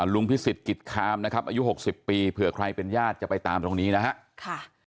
พิสิทธิกิจคามนะครับอายุ๖๐ปีเผื่อใครเป็นญาติจะไปตามตรงนี้นะครับ